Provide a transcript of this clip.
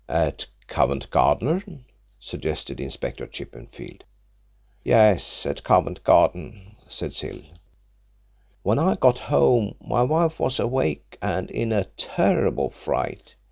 "At Covent Garden?" suggested Inspector Chippenfield. "Yes, at Covent Garden," said Hill. "When I got home my wife was awake and in a terrible fright.